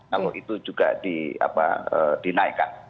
lalu itu juga di apa dinaikkan